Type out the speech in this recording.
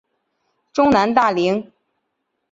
中南大羚。